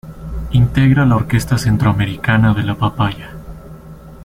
Integra la Orquesta Centroamericana de la Papaya.